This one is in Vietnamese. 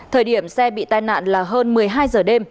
thời điểm xe bị tai nạn là hơn một mươi hai giờ đêm